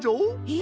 え？